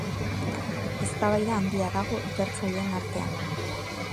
Eztabaida handia dago ikertzaileen artean.